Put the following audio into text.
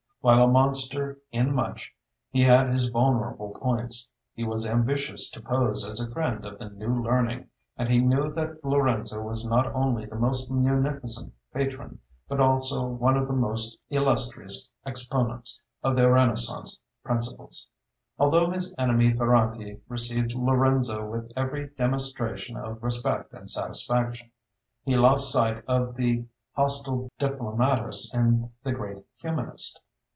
While a monster in much, he had his vulnerable points. He was ambitious to pose as a friend of the "New Learning," and he knew that Lorenzo was not only the most munificent patron, but also one of the most illustrious exponents, of the Renaissance principles. Although his enemy, Ferrante received Lorenzo with every demonstration of respect and satisfaction. He lost sight of the hostile diplomatist in the great humanist.